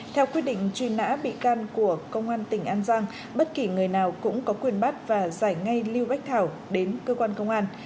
theo quyết định truy nã bị can của công an tỉnh an giang bất kỳ người nào cũng có quyền bắt và giải ngay liêu bách thảo đến cơ quan công an